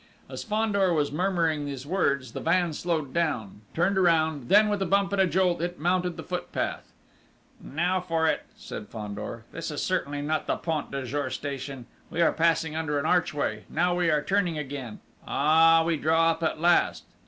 As Fandor was murmuring these words, the van slowed down, turned round; then, with a bump and a jolt, it mounted the footpath. "Now for it," said Fandor. "This is certainly not the Point du Jour station!... We are passing under an archway now we are turning again.... Ah, we draw up, at last!...